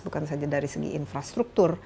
bukan saja dari segi infrastruktur